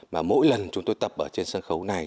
mà mỗi lần chúng tôi tập ở trên sân khấu này